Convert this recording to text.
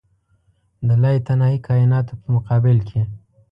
د لایتناهي کایناتو په مقابل کې.